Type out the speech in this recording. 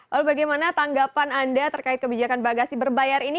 lalu bagaimana tanggapan anda terkait kebijakan bagasi berbayar ini